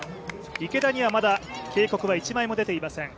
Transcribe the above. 池田にはまだ、警告は１枚も出ていません。